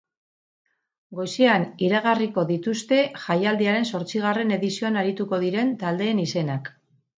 Goizean iragarriko dituzte jaialdiaren zortzigarren edizioan arituko diren taldeen izenak.